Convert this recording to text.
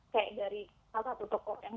kayak dari salah satu tokoh yang